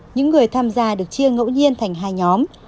những người tham gia được chia ngẫu nhiên thành hai nhóm